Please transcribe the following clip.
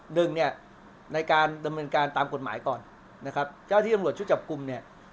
หนึ่งเนี่ยในการดำเนินการตามกฎหมายก่อนนะครับเจ้าที่ตำรวจชุดจับกลุ่มเนี่ย